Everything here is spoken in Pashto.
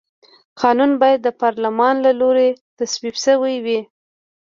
قانون باید د پارلمان له لوري تصویب شوی وي.